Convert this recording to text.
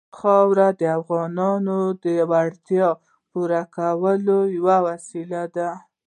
خاوره د افغانانو د اړتیاوو د پوره کولو یوه وسیله ده.